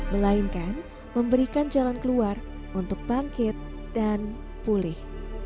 melainkan memberikan jalan keluar untuk bangkit dan pulih